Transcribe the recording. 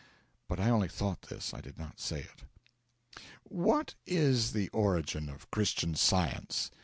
But I only thought this; I did not say it.) 'What is the origin of Christian Science?